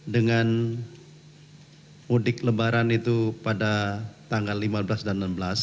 dengan mudik lebaran itu pada tanggal lima belas dan enam belas